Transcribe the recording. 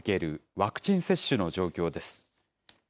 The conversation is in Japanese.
ワクチン接種の状況です。